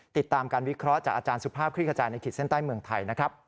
ติดตามการวิเคราะห์จากอาจารย์สุภาพคลิกขจายในขีดเส้นใต้เมืองไทยนะครับ